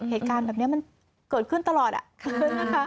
เหตุการณ์แบบนี้มันเกิดขึ้นตลอดอ่ะนะคะ